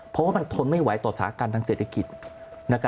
เพราะว่ามันทนไม่ไหวต่อสาการทางเศรษฐกิจ